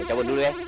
gue cabut dulu ya